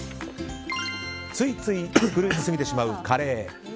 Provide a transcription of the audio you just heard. ついつい作りすぎてしまうカレー。